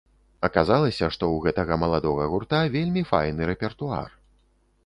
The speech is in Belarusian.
Аказалася, што ў гэтага маладога гурта вельмі файны рэпертуар.